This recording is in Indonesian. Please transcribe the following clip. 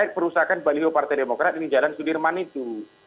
itu partai demokrat yang jalan sudirman itu